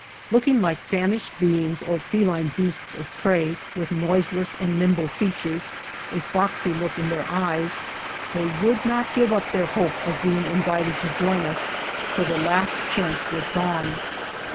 Looking like famished beings or feline beasts of prey, with noiseless and nimble gestures, a foxy look in their eyes, they would not give up their hope of being invited to join us till the last chance was gone.